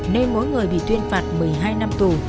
nên mỗi người bị tuyên phạt một mươi hai năm tù